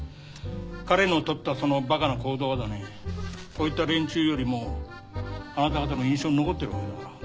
彼のとったそのバカな行動がだねこういった連中よりもあなた方の印象に残ってるわけだから。